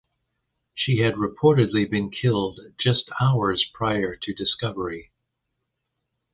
She had reportedly been killed just hours prior to discovery.